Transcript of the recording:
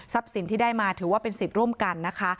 สินที่ได้มาถือว่าเป็นสิทธิ์ร่วมกันนะคะ